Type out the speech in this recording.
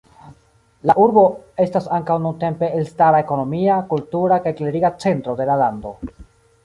La urbo estas ankaŭ nuntempe elstara ekonomia, kultura kaj kleriga centro de la lando.